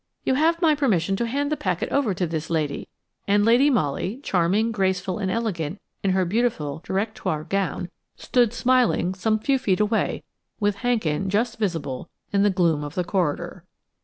You have my permission to hand the packet over to this lady," and Lady Molly, charming, graceful and elegant in her beautiful directoire gown, stood smiling some few feet away, with Hankin just visible in the gloom of the corridor.